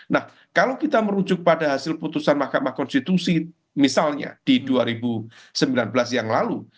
nah kalau kita merujuk pada hasil putusan mahkamah konstitusi misalnya di dua ribu sembilan belas yang lalu